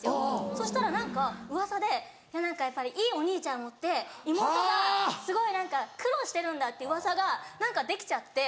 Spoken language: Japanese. そしたら何かうわさで「やっぱりいいお兄ちゃんを持って妹がすごい何か苦労してるんだ」ってうわさができちゃって。